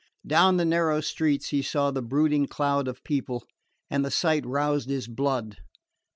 Down the narrow streets he saw the brooding cloud of people, and the sight roused his blood.